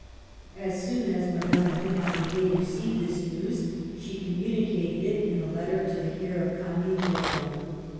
As soon as Madame R6camier received this news she com municated it in a letter to the care of Camille Jordan.